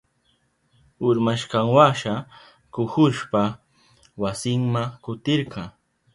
Urmashkanwasha kuhushpa wasinma kutirka.